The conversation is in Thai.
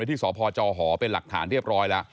ที่สพจหเป็นหลักฐานเรียบร้อยแล้ว